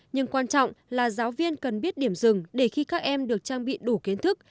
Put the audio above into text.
nhưng quan trọng là giáo viên cần biết điểm rừng để khi các em được trang bị đủ kiến thức